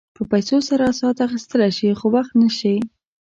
په پیسو سره ساعت اخيستلی شې خو وخت نه شې.